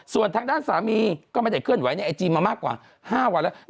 ส่วนทางด้านสามีก็ไม่ได้เคลื่อนไหวในไอจีมามากกว่า๕วันแล้ว